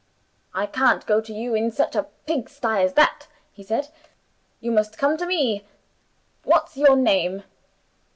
'I can't go to you in such a pigstye as that,' he said; 'you must come to me. What's your name?